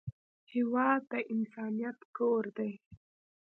هېواد د انسانیت کور دی.